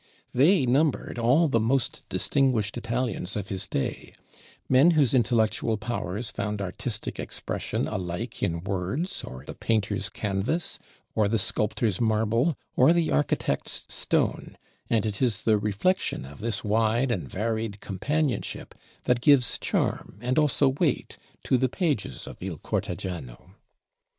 They numbered all the most distinguished Italians of his day; men whose intellectual powers found artistic expression alike in words, or the painter's canvas, or the sculptor's marble, or the architect's stone: and it is the reflection of this wide and varied companionship that gives charm and also weight to the pages of 'Il Cortegiano.'